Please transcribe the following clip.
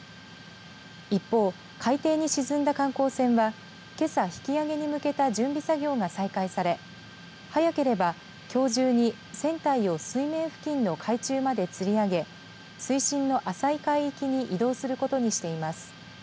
一方、海底に沈んだ観光船はけさ引き揚げに向けた準備作業が再開され早ければきょう中に船体を水面付近の海中までつり上げ水深の浅い海域に移動することにしています。